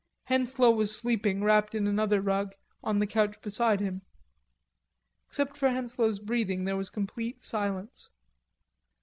Henslowe was sleeping, wrapped in another rug, on the couch beside him. Except for Henslowe's breathing, there was complete silence.